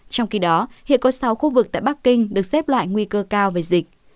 trong khi đó hiện có sáu khu vực tại bắc kinh được xếp loại nguy cơ cao về dịch